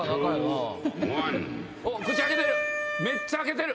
口開けてる！